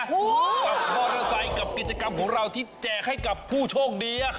กับมอเตอร์ไซค์กับกิจกรรมของเราที่แจกให้กับผู้โชคดี